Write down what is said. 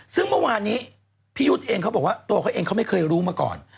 ซึ่งเมื่อวานนี้พี่ยุทธ์เองเขาบอกว่าตัวเขาเองเขาไม่เคยรู้มาก่อน